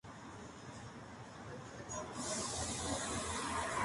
La mayor de ellas está ligeramente hacia fuera.